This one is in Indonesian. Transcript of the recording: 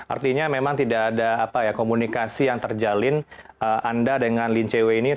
artinya memang tidak ada komunikasi yang terjalin anda dengan lin che wei ini